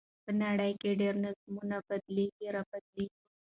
په نړۍ کې ډېر نظامونه بدليږي را بدلېږي .